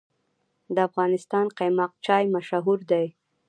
د افغانستان قیماق چای مشهور دی